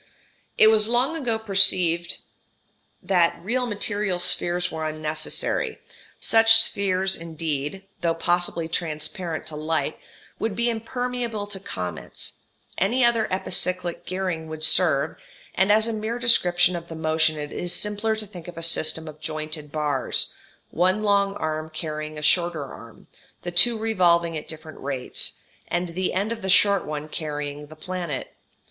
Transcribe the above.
It was long ago perceived that real material spheres were unnecessary; such spheres indeed, though possibly transparent to light, would be impermeable to comets: any other epicyclic gearing would serve, and as a mere description of the motion it is simpler to think of a system of jointed bars, one long arm carrying a shorter arm, the two revolving at different rates, and the end of the short one carrying the planet.